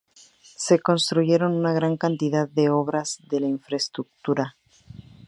Se construyeron una gran cantidad de otras obras de infraestructura.